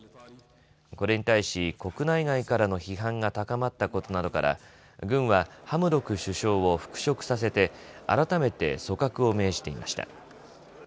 これに対し、国内外からの批判が高まったことなどから軍はハムドク首相を復職させて改めて組閣を命じていました。